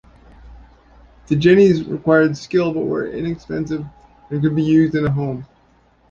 The jennies required skill but were inexpensive and could be used in a home.